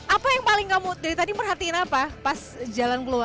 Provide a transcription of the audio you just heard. apa yang paling kamu dari tadi merhatiin apa pas jalan keluar